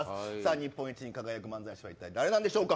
日本一に輝く漫才師はいったい誰なんでしょうか。